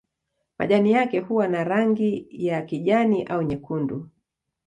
Majani yake huwa na rangi ya kijani au nyekundu.